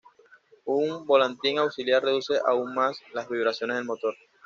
Un volantín auxiliar reduce aún más las vibraciones del motor.